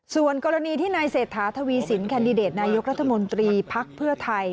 ส่วนกรณีที่นายเศรษฐาทวีสินแคนดิเดตนายกรัฐมนตรีภักดิ์เพื่อไทย